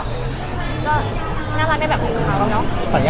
น่ารักไม่จะเป็นคนงานร้อยนะ